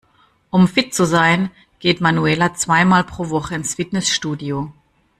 Um fit zu sein geht Manuela zwei mal pro Woche ins Fitnessstudio.